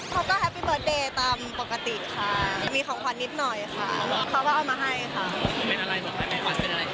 เขาก็แฮปปี้เบิร์ตเดย์ตามปกติค่ะมีของขวัญนิดหน่อยค่ะเขาก็เอามาให้ค่ะ